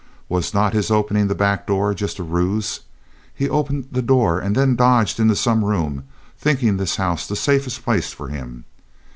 Was not his opening the back door just a ruse? He opened the door and then dodged into some room, thinking this house the safest place for him.